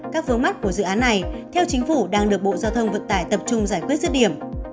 các phương mắc của dự án này theo chính phủ đang được bộ giao thông vận tải tập trung giải quyết dứt điểm